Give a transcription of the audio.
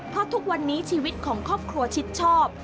เพราะทุกวันนี้ชีวิตของครอบครัวชิดชอบ